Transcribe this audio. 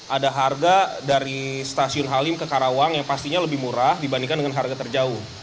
ada harga dari stasiun halim ke karawang yang pastinya lebih murah dibandingkan dengan harga terjauh